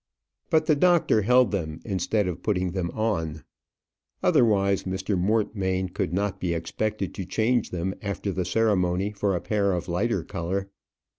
But the doctor held them instead of putting them on; otherwise Mr. Mortmain could not be expected to change them after the ceremony for a pair of lighter colour.